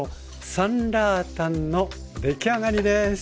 サンラータンの出来上がりです。